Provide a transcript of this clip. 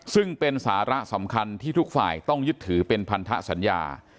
ซึ่งเป็นสาระสำคัญที่ทุกฝ่ายต้องยึดถือเป็นพันธสัญญา